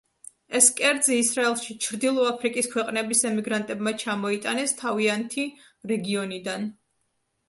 ეს კერძი ისრაელში ჩრდილო აფრიკის ქვეყნების ემიგრანტებმა ჩამოიტანეს თავიანთი რეგიონიდან.